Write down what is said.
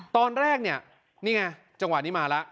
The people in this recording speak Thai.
ตอนแรกเนี่ยนี่ไงจังหวะนี้มาแล้ว